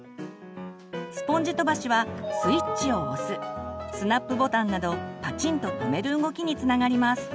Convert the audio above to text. スポンジ飛ばしはスイッチを押すスナップボタンなどパチンと留める動きにつながります。